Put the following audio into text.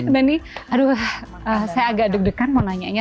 dan ini aduh saya agak deg degan mau nanya